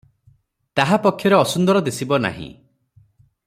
ତାହା ପକ୍ଷରେ ଅସୁନ୍ଦର ଦିଶିବ ନାହିଁ ।